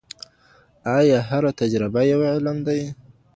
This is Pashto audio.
ایا هره تجربه یو علم دی؟